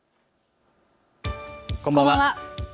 こんばんは。